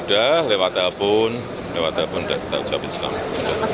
sudah lewat telepon lewat telepon sudah kita ucapin selamat